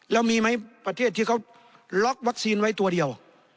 แล้วมีไหมประเทศที่เขาล็อกวัคซีนไว้ตัวเดียว